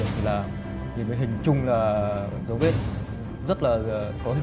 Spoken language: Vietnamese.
thì là nóng nảy về tối